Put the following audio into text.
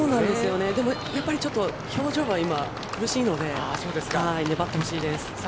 でもやっぱりちょっと表情が今、苦しいので粘ってほしいです。